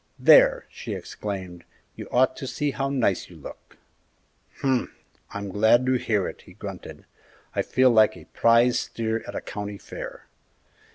"There!" she exclaimed; "you ought to see how nice you look!" "H'm! I'm glad to hear it," he grunted; "I feel like a prize steer at a county fair!"